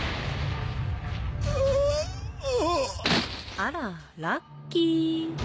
あらラッキー。